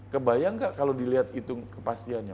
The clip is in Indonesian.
kebayang nggak kalau dilihat hitung kepastiannya